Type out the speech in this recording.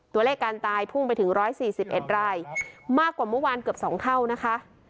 ตัวเลขการตายพุ่งไปถึงร้อยสี่สิบเอ็ดรายมากกว่าเมื่อวานเกือบสองเข้านะคะ